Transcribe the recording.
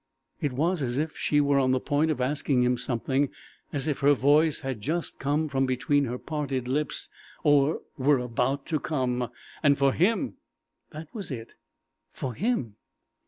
It was as if she were on the point of asking him something as if her voice had just come from between her parted lips, or were about to come. And for him; that was it for _him!